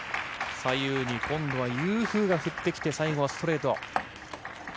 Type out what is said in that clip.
左右に今度はユー・フーが振ってきて、最後はストレート。